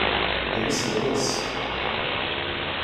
Wir müssen los.